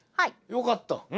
よかった。